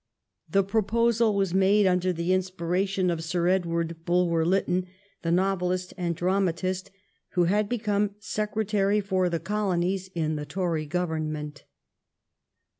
The proposal was made under the inspiration of Sir Edward Bulwer Lytton, the novelist and dramatist, who had become Secre tary for the Colonies in the Tory Government.